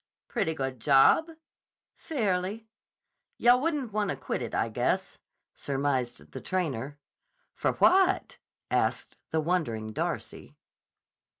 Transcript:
"Pretty good job?" "Fairly." "Yah wouldn't wanta quit it, I guess," surmised the trainer. "For what?" asked the Wondering Darcy.